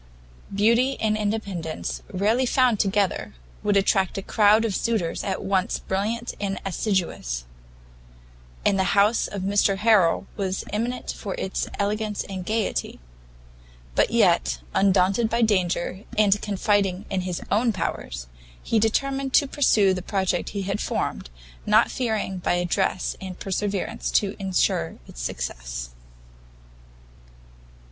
Beauty and independence, rarely found together, would attract a crowd of suitors at once brilliant and assiduous; and the house of Mr Harrel was eminent for its elegance and gaiety; but yet, undaunted by danger, and confiding in his own powers, he determined to pursue the project he had formed, not fearing by address and perseverance to ensure its success.